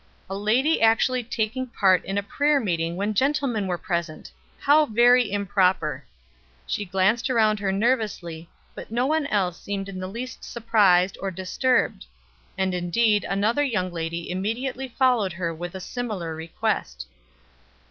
A lady actually taking part in a prayer meeting when gentlemen were present! How very improper. She glanced around her nervously, but no one else seemed in the least surprised or disturbed; and indeed another young lady immediately followed her with a similar request.